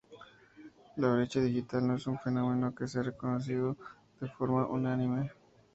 La brecha digital no es un fenómeno que sea reconocido de forma unánime.